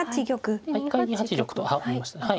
一回２八玉と上がりましたね。